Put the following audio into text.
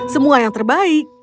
semua yang terbaik